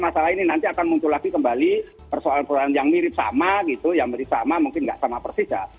masalah ini nanti akan muncul lagi kembali persoalan persoalan yang mirip sama gitu yang mirip sama mungkin nggak sama persis ya